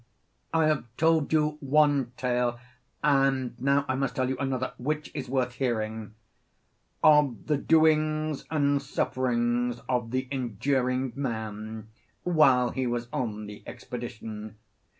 I have told you one tale, and now I must tell you another, which is worth hearing, 'Of the doings and sufferings of the enduring man' while he was on the expedition.